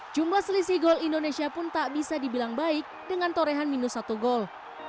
jumlah selisih gol indonesia pun tak bisa dibilang baik dengan torehan minus satu gol